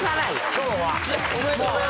今日は。